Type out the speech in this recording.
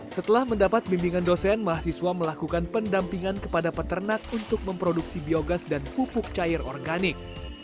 setelah mendapat bimbingan dosen mahasiswa melakukan pendampingan kepada peternak untuk memproduksi biogas dan pupuk cair organik